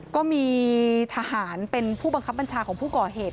ก็มีทหารเป็นผู้บังคับบัญชาของผู้ก่อเหตุ